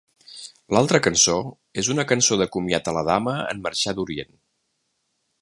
L'altra cançó és una cançó de comiat a la dama en marxar d'Orient.